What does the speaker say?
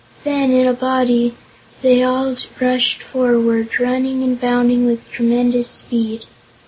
Then, in a body, they all rushed forward, running and bounding with tremendous speed.